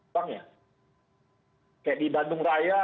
kayak di bandung raya